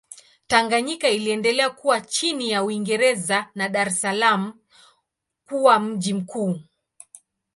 Tanganyika iliendelea kuwa chini ya Uingereza na Dar es Salaam kuwa mji mkuu.